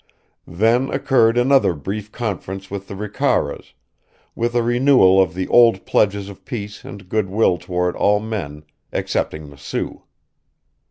Then occurred another brief conference with the Ricaras, with a renewal of the old pledges of peace and good will toward all men excepting the Sioux.